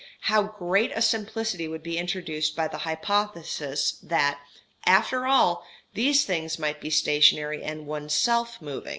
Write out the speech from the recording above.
How great a simplicity would be introduced by the hypothesis that, after all, these things might be stationary and one's self moving.